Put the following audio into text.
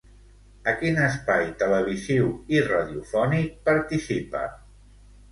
A quin espai televisiu i radiofònic participa?